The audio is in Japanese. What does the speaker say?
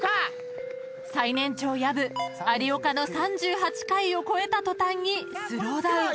［最年長薮有岡の３８回を超えた途端にスローダウン］